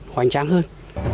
hoàn trang hơn